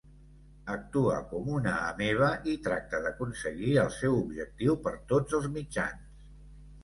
Actua com una ameba i tracta d'aconseguir el seu objectiu per tots els mitjans.